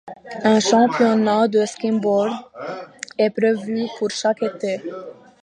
Un championnat de skimboard est prévu pour chaque été.